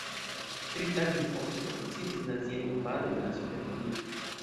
Tri tagojn poste komenciĝis nazia invado de la Sovetunio.